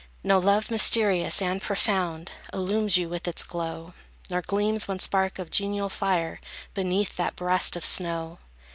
No love mysterious and profound Illumes you with its glow; Nor gleams one spark of genial fire Beneath that breast of snow.